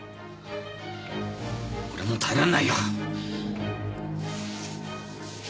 俺もう耐えられないよ。